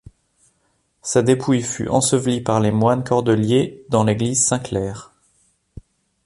Sa dépouille fut ensevelie par les moines cordeliers dans l'église Saint-Claire.